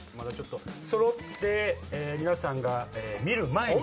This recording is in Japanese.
揃って皆さんが見る前に。